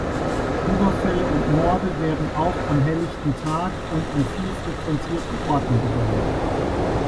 Überfälle und Morde werden auch am helllichten Tag und an viel frequentierten Orten begangen.